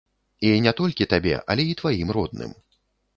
І не толькі табе, але і тваім родным.